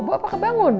bu apa kebangun